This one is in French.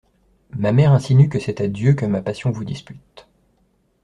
Ma mère insinue que c'est à Dieu que ma passion vous dispute.